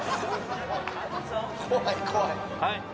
はい。